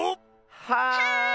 はい！